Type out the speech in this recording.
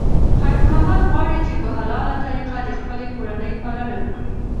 خیر محمد غواړي چې په حلاله طریقه د خپلې کورنۍ پالنه وکړي.